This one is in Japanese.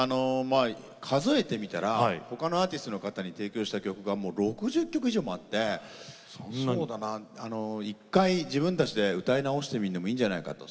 数えてみたらほかのアーティストの皆さんに提供した曲が６０曲以上あってそうだな、１回自分たちで歌い直してみてもいいんじゃないかと。